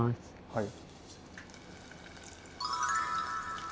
はい。